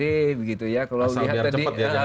masalah biar cepat ya jangan dengan dprd